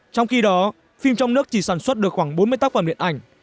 trong khi đó phim trong nước chỉ sản xuất được khoảng bốn mươi tác phẩm điện ảnh